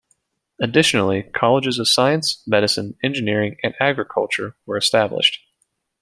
Additionally, colleges of Science, Medicine, Engineering and Agriculture were established.